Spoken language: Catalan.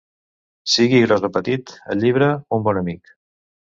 Sigui gros o petit, el llibre, un bon amic.